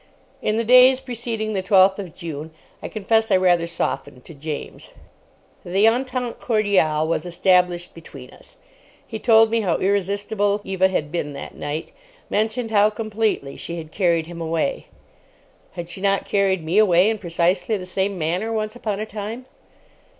In the days preceding the twelfth of June I confess I rather softened to James. The entente cordiale was established between us. He told me how irresistible Eva had been that night; mentioned how completely she had carried him away. Had she not carried me away in precisely the same manner once upon a time?